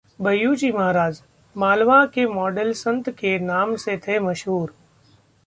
भय्यूजी महाराज: मालवा के मॉडल संत के नाम से थे मशहूर